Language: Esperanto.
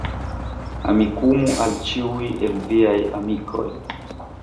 Amikumu al ĉiuj el viaj amikoj